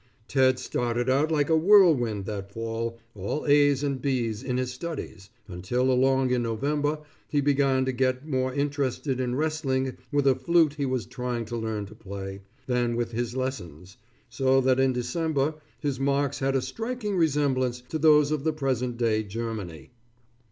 Ted started out like a whirlwind that fall, all A's and B's in his studies, until along in November he began to get more interested in wrestling with a flute he was trying to learn to play, than with his lessons, so that in December his marks had a striking resemblance to those of the present day Germany.